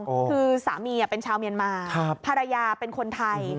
คือสามีเป็นชาวเมียนมาภรรยาเป็นคนไทย